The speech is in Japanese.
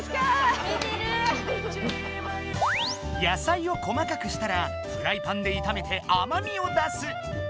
野菜を細かくしたらフライパンで炒めて甘みを出す。